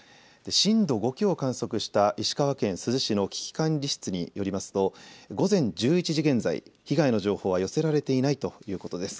震度５強を観測した石川県珠洲市の危機管理室によりますと午前１１時現在、被害の情報は寄せられていないということです。